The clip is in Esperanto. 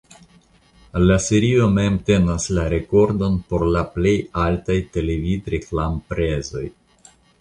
La serio mem tenas la rekordon por "la plej altaj televidreklamprezoj".